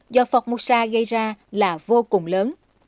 do phọc mục sa gây ra là vô cùng lớn